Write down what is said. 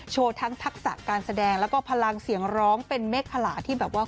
ทั้งทักษะการแสดงแล้วก็พลังเสียงร้องเป็นเมฆขลาที่แบบว่า